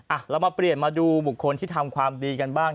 อ่ะเรามาเปลี่ยนมาดูบุคคลที่ทำความดีกันบ้าง